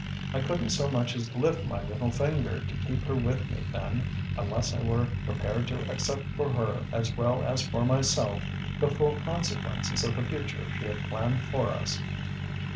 I couldn't so much as lift my little finger to keep her with me then, unless I were prepared to accept for her as well as for myself the full consequences of the future she had planned for us....